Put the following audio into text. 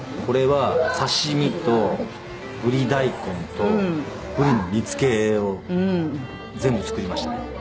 これは刺し身とブリ大根とブリの煮付けを全部作りましたね。